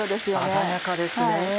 鮮やかですね。